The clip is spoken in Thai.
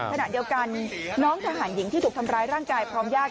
ขณะเดียวกันน้องทหารหญิงที่ถูกทำร้ายร่างกายพร้อมญาติ